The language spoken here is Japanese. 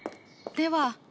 では。